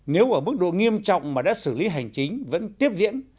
nếu ở mức độ nghiêm trọng mà đã xử lý hành chính vẫn tiếp diễn